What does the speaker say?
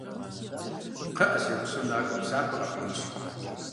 Кхъыӏэ, си гъусэу накӏуэ, псапэ къэпхьынщ.